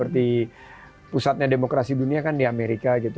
seperti pusatnya demokrasi dunia kan di amerika gitu